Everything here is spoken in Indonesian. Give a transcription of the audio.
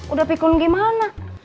udah pikun gimana